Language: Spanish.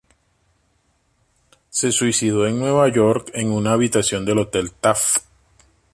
Se suicidó en Nueva York, en una habitación del hotel Taft.